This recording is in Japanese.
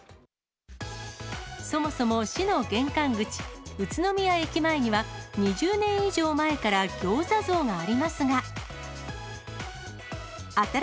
そもそも市の玄関口、宇都宮駅前には、２０年以上前から餃子像がありますが。